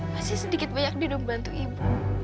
masih sedikit banyak dia udah membantu ibu